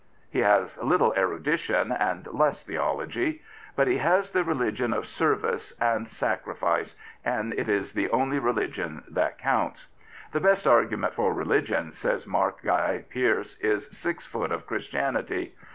He has little erudition, and less theology; but he has the religion of service and sacrifice, and it is the only religion that counts. " The best argument for religion," said Mark Guy Pearse, " is six foot of Christianity."